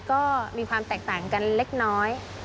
ก็มีความแตกต่างกันเล็กน้อย